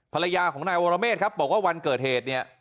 ภรรยาของนายวรเมฆครับบอกว่าวันเกิดเหตุเนี่ย